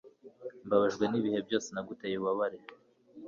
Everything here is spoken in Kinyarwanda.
Mbabajwe nibihe byose naguteye ububabare